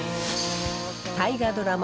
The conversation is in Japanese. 大河ドラマ